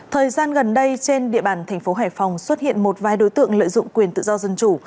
thời gian gần đây trên địa bàn thành phố hải phòng xuất hiện một vài đối tượng lợi dụng quyền tự do dân chủ